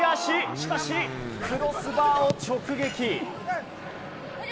しかし、クロスバーを直撃。